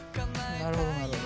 なるほどなるほど。